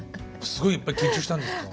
すごいいっぱい緊張したんですか？